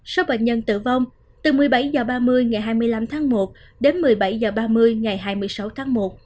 số bệnh nhân tử vong từ một mươi bảy h ba mươi ngày hai mươi năm tháng một đến một mươi bảy h ba mươi ngày hai mươi sáu tháng một